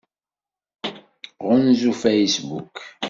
Ɣunzu Facebook.